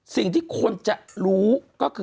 คุณหนุ่มกัญชัยได้เล่าใหญ่ใจความไปสักส่วนใหญ่แล้ว